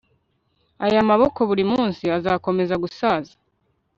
Aya maboko buri munsi azakomeza gusaza